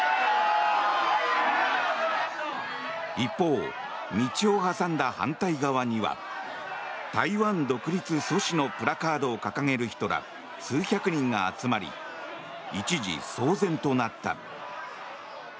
一方、道を挟んだ反対側には台湾独立阻止のプラカードを掲げる人ら数百人が集まり一時、騒然となった。